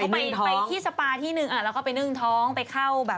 ไปที่สปาที่หนึ่งแล้วก็ไปนึ่งท้องไปเข้าแบบ